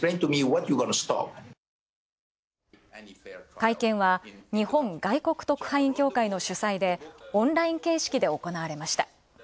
会見は日本外国特派員協会の主催でオンライン形式で行われました。